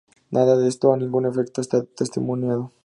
Nada de esto, a ningún efecto, está testimoniado.